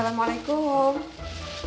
pokoknya misalnya udah mati